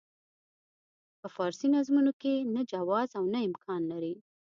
په فارسي نظمونو کې نه جواز او نه امکان لري.